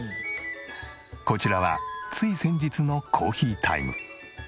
こちらはつい先日のコーヒータイム。